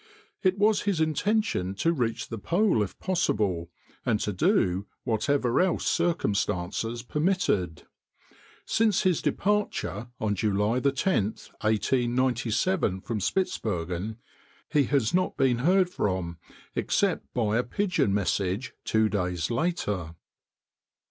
It was his intention to reach the pole if possible, and to do whatever else circumstances permitted. Since his departure, on July 10, 1897, from Spitzbergen, he has not been heard from, except by a pigeon message two days later.